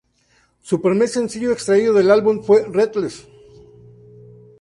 Su primer sencillo extraído del álbum fue Restless.